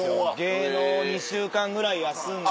芸能を２週間ぐらい休んで。